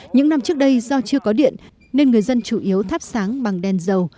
những năm trước đây do chưa có điện nên người dân chủ yếu thắp sáng bằng đen dầu